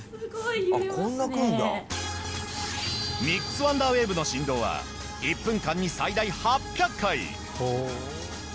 ミックスワンダーウェーブの振動は１分間に最大８００回！